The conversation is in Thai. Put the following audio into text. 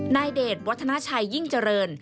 เดชวัฒนาชัยยิ่งเจริญ